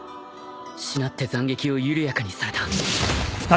しなって斬撃を緩やかにされた